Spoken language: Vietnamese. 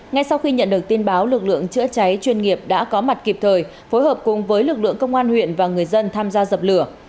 ngay sau khi nhận được tin báo lực lượng chữa cháy chuyên nghiệp đã có mặt kịp thời phối hợp cùng với lực lượng công an huyện và người dân tham gia dập lửa